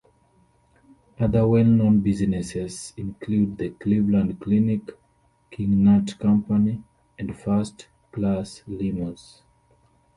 Other well-known businesses include: the Cleveland Clinic, King Nut Company, and First Class Limos.